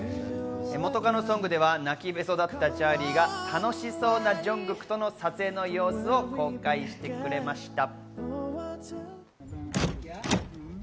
元カノソングでは泣きべそだったチャーリーが楽しそうなジョングクとの撮影の様子を公開してくれました。